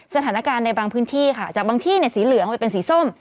สถานการณ์ในบางพื้นที่ค่ะจากบางที่สีเหลืองไปเป็นสีส้ม